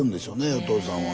お父さんは。